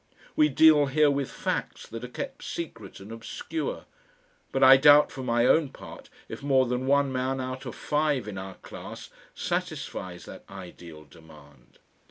We deal here with facts that are kept secret and obscure, but I doubt for my own part if more than one man out of five in our class satisfies that ideal demand.